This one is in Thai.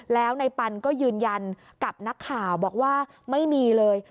แล้วในปันก็ยืนยันกับนักข่าวบอกว่าไม่มีเลย